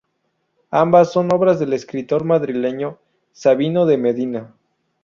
Ambas son obra del escultor madrileño Sabino de Medina.